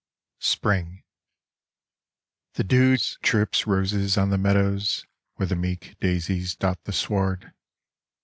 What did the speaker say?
SPRING The dews drip roses on the meadows Where the meek daisies dot the sward.